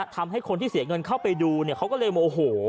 ทำให้คนที่เสียเงินเข้าไปดูเขาก็เลยโมโห